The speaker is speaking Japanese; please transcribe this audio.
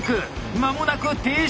間もなく停止位置。